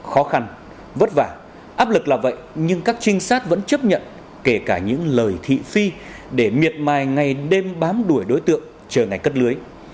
khó khăn vất vả áp lực là vậy nhưng các trinh sát vẫn chấp nhận kể cả những lời thị phi để miệt mài ngày đêm bám đuổi đối tượng chờ ngày cất lưới